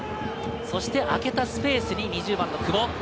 そして、あけたスペースに２０番の久保。